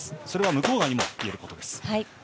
それは向川にも言えることです。